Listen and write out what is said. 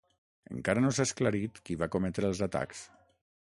Encara no s'ha esclarit qui va cometre els atacs.